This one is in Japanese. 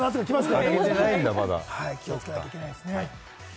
気をつけなきゃいけないですね。